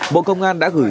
bộ công an đã gửi